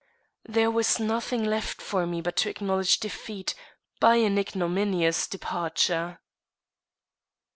There was nothing left for me but to acknowledge defeat by an ignominious departure.